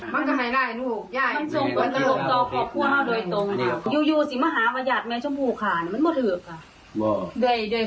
มันจะให้ร่ายผู้ย่าย